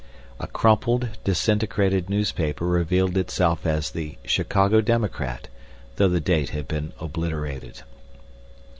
A crumpled, disintegrated newspaper revealed itself as the Chicago Democrat, though the date had been obliterated.